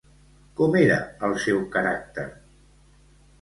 Com era el seu caràcter?